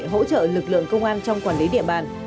hỗ trợ lực lượng công an trong quản lý địa bàn